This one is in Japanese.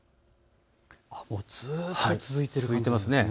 ずっと続いていますね。